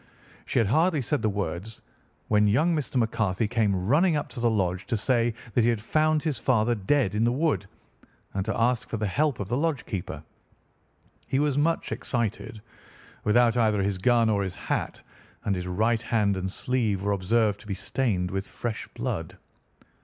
She had hardly said the words when young Mr. McCarthy came running up to the lodge to say that he had found his father dead in the wood, and to ask for the help of the lodge keeper. He was much excited, without either his gun or his hat, and his right hand and sleeve were observed to be stained with fresh blood.